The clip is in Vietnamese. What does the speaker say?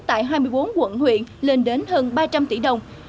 tại hai mươi bốn quận huyện lên đến hơn ba trăm linh tỷ đồng